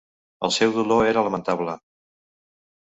El seu dolor era lamentable.